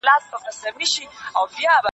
د زړه صفا میني زياتوي